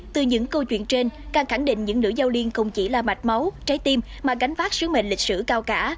từ những câu chuyện trên càng khẳng định những nữ giao liên không chỉ là mạch máu trái tim mà gánh vác sứ mệnh lịch sử cao cả